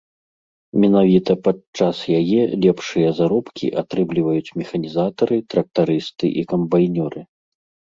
Менавіта падчас яе лепшыя заробкі атрымліваюць механізатары, трактарысты і камбайнёры.